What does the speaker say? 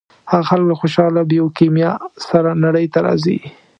هغه خلک له خوشاله بیوکیمیا سره نړۍ ته راځي.